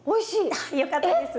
あっよかったです。